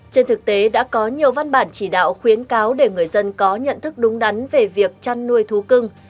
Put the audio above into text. trên thực tế đã có nhiều văn bản chỉ đạo khuyến cáo để người dân có nhận thức đúng đắn về việc chăn nuôi thú cưng